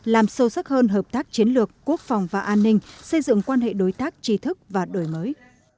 làm sâu sắc hơn hợp tác chiến lược quốc phòng và an ninh xây dựng quan hệ đối tác trí thức và đổi mới